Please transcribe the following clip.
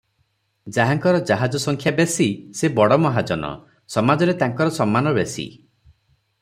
ଯାହାଙ୍କର ଜାହାଜ ସଂଖ୍ୟା ବେଶି, ସେ ବଡ଼ ମହାଜନ, ସମାଜରେ ତାଙ୍କର ସମ୍ମାନ ବେଶି ।